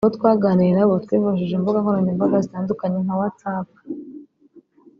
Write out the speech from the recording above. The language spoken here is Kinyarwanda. Abo twaganiriye nabo twifashishije imbuga nkoranyambaga zitandukanye nka WhatsApp